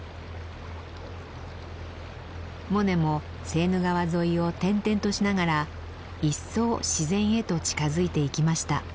モネもセーヌ川沿いを転々としながら一層自然へと近づいていきました。